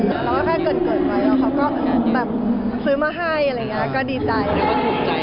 เราก็แค่เกิดไปเขาก็แบบซื้อมาให้อะไรอย่างนี้อ้างก็ดีใจ